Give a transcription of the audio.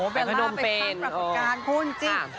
เวลาเป็นช่างปรากฏการณ์พูดจริง